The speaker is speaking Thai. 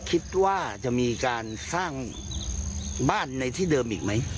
คิดว่าจะมีการสร้างบ้านในที่เดิมอีกไหม